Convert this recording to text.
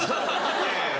いやいや。